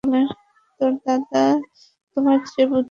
তোমার দাদা তোমার চেয়ে বুদ্ধিমান তাতে আমি সম্পূর্ণ একমত।